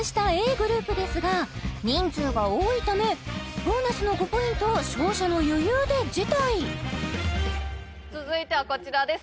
ｇｒｏｕｐですが人数が多いためボーナスの５ポイントを勝者の余裕で辞退続いてはこちらです